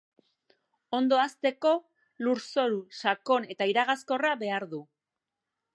Ondo hazteko, lurzoru sakon eta iragazkorra behar du.